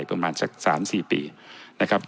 ก็คงใช้เวลาอีกประมาณสัก๓๔ปี